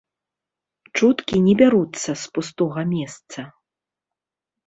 Чуткі не бяруцца з пустога месца.